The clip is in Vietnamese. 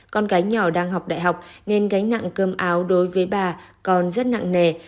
con gái nhỏ đang học đại học nên gánh nặng cơm áo đối với bà còn rất nặng nề